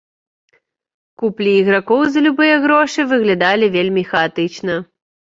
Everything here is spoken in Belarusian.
Куплі ігракоў за любыя грошы выглядалі вельмі хаатычна.